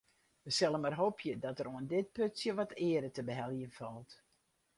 We sille mar hoopje dat der oan dit putsje wat eare te beheljen falt.